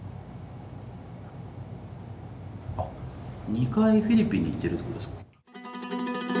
２回フィリピンに行ってるってことですか。